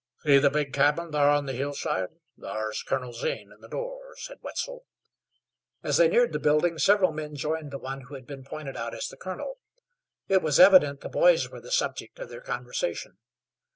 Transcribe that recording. "See the big cabin, thar, on the hillside? Thar's Colonel Zane in the door," said Wetzel. As they neared the building several men joined the one who had been pointed out as the colonel. It was evident the boys were the subject of their conversation.